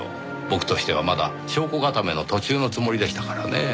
僕としてはまだ証拠固めの途中のつもりでしたからねぇ。